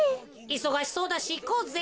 いそがしそうだしいこうぜ。